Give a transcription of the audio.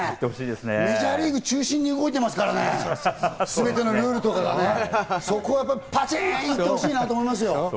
メジャーリーグ中心に動いてますからね、全てのルールとかがね。そこをパチン！と行ってほしいなと思いますよ。